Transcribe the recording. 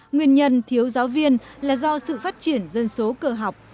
nguyên nhân thiếu giáo viên là do sự phát triển dân số cờ học